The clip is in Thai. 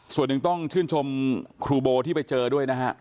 ส่วนหนึ่งต้องชื่นชมครูโบที่ไปเจอด้วยนะฮะ